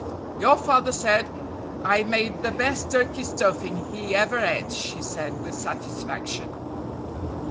"Your father said I made the best turkey stuffing he ever ate," she said with satisfaction.